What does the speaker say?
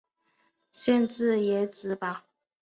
县治耶芝堡。